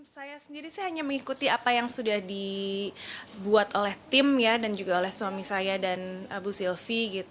saya sendiri sih hanya mengikuti apa yang sudah dibuat oleh tim dan juga oleh suami saya dan ibu sylvi